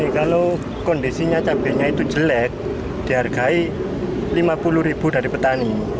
kalau kondisinya cabainya itu jelek dihargai rp lima puluh ribu dari petani